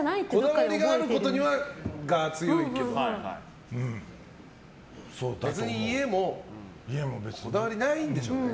こだわりは強いけど、別に家もこだわりないんでしょうね。